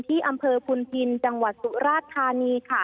ที่อำเภอพุนพินจังหวัดสุราชธานีค่ะ